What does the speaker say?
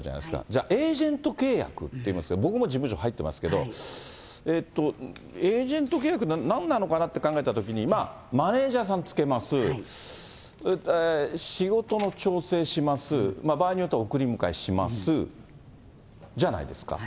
じゃあ、エージェント契約っていいますが、僕も事務所入ってますけど、えっと、エージェント契約って何なのかなって考えたときに、マネージャーさんつけます、仕事の調整します、場合によっては送り迎えします、じゃないですか。